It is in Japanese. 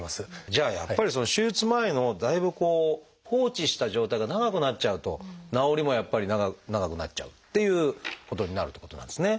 じゃあやっぱり手術前のだいぶ放置した状態が長くなっちゃうと治りもやっぱり長くなっちゃうっていうことになるってことなんですね。